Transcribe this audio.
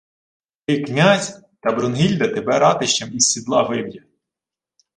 — Ти — князь? Та Брунгільда тебе ратищем із сідла виб'є!